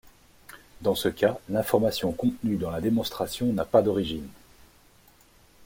Dans ce cas, l'information contenue dans la démonstration n'a pas d'origine.